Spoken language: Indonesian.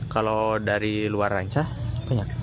kalau dari luar rancah banyak